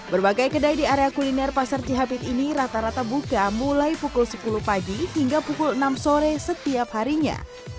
berbagai kedai di area kuliner pasar cihapit ini rata rata buka mulai pukul sepuluh pagi hingga pukul enam sore setiap harinya